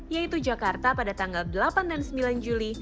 yaitu jakarta pada tanggal delapan dan sembilan juli